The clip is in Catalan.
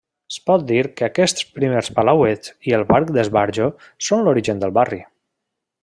Es pot dir que aquests primers palauets i el parc d'esbarjo són l'origen del barri.